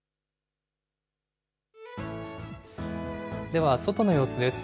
では外の様子です。